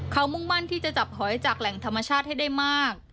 เขามุ่งมั่นที่จะจับหอยจากแหล่งธรรมชาติให้ได้มาก